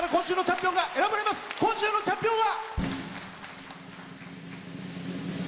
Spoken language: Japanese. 今週のチャンピオンは。